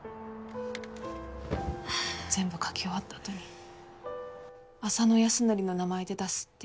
全部書き終わったあとに浅野ヤスノリの名前で出すって言われました。